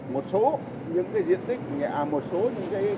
một số những diện tích một số những cơ hội